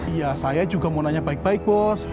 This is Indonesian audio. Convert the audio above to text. iya saya juga mau nanya baik baik bos